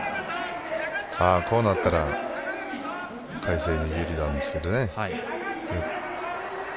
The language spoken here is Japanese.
こうなったら魁聖有利なんですけどね。